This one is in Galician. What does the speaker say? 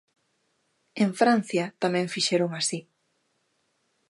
En Francia tamén fixeron así.